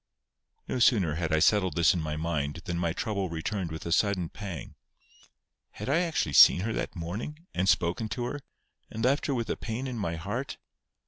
No sooner had I settled this in my mind than my trouble returned with a sudden pang. Had I actually seen her that morning, and spoken to her, and left her with a pain in my heart?